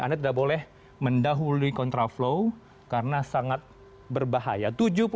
anda tidak boleh mendahului kontraflow karena sangat berbahaya